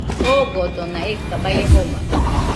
Ogodona eka baie joma